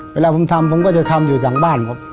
เวลาผมทำผมก็จะทำอยู่จังบ้าน